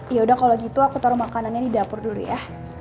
ya udah kalau gitu aku taruh makanannya di dapur dulu ya